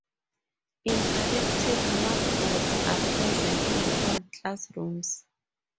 Interactive whiteboards are present in all classrooms.